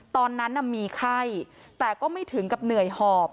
ตอนนั้นมีไข้แต่ก็ไม่ถึงกับเหนื่อยหอบ